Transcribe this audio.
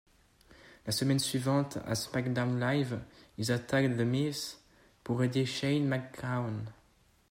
La semaine suivante à SmackDown Live, ils attaquent The Miz pour aider Shane McMahon.